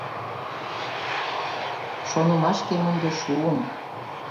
Шонымашкем ынде шуым.